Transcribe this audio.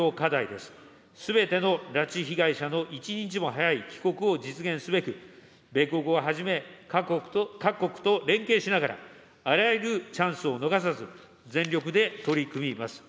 すべての拉致被害者の一日も早い帰国を実現すべく、米国をはじめ、各国と連携しながら、あらゆるチャンスを逃さず、全力で取り組みます。